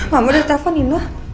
mama udah telepon nino